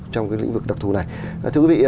trong cái lĩnh vực đặc thù này thưa quý vị